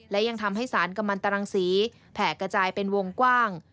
และยังทำให้สารกำลังตรังสีแผ่กระจายเป็นวงกว้าง